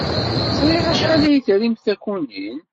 Ẓriɣ acḥal ay trimt takunin.